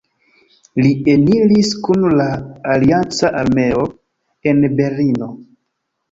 Li eniris kun la alianca armeo en Berlino.